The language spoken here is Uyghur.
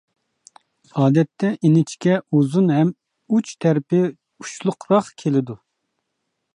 ئادەتتە ئىنچىكە، ئۇزۇن ھەم ئۇچ تەرىپى ئۇچلۇقراق كېلىدۇ.